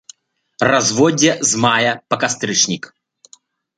Разводдзе з мая па кастрычнік.